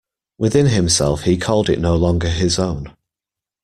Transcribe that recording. Within himself he called it no longer his own.